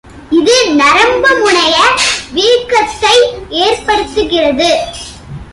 இது நரம்பு முனைய வீக்கத்தை ஏற்படுத்துகிறது.